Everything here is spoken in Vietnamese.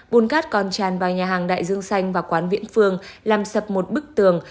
bùn cát còn tràn vào nhà hàng đại dương xanh và quán viễn phương làm sập một bức tường